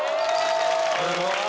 すごい！